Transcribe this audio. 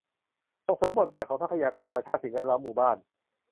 ส่งเสริมบทบาทของทรัพยากรธรรมชาติ สิ่งแวดล้อม หมู่บ้าน